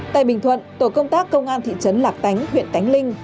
tại bình thuận tổ công tác công an thị trấn lạc tánh huyện tánh linh